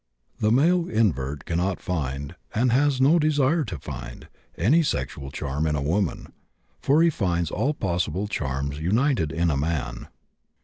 The male invert cannot find, and has no desire to find, any sexual charm in a woman, for he finds all possible charms united in a man.